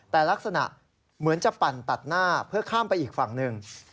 แต่ลักษณะเหมือนจะปั่นตัดหน้าเพื่อข้ามไปอีกฝั่งหนึ่ง